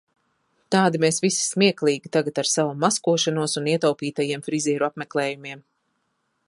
Tādi mēs visi smieklīgi tagad ar savu maskošanos un ietaupītajiem frizieru apmeklējumiem.